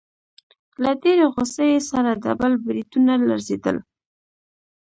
له ډېرې غوسې يې سره ډبل برېتونه لړزېدل.